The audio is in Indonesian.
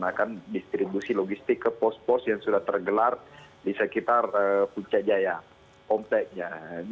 melaksanakan distribusi logistik ke pos pos yang sudah tergelar di sekitar puncak jaya kompleknya